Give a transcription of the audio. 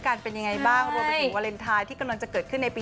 เขาก็ใส่ใจมากเขาเป็นคนที่ใส่ใจอยู่แล้ว